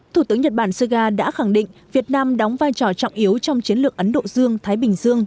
thủ tướng nhật bản suga đã khẳng định việt nam đóng vai trò trọng yếu trong chiến lược ấn độ dương thái bình dương